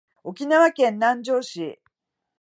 沖縄県南城市